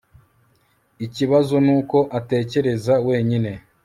Ikibazo nuko atekereza wenyine